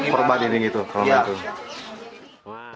perbatin gitu korban itu